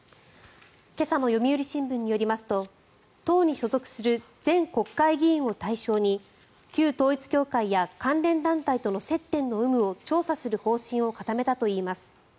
今朝の読売新聞によりますと党に所属する全国会議員を対象に旧統一教会や関連団体との接点の有無を調査する方針を固めたといいます。